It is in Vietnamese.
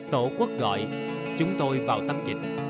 tổ quốc gọi chúng tôi vào tâm dịch